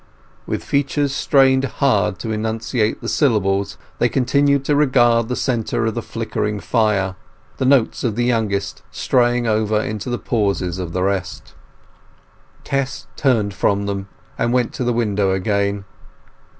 With features strained hard to enunciate the syllables they continued to regard the centre of the flickering fire, the notes of the youngest straying over into the pauses of the rest. Tess turned from them, and went to the window again.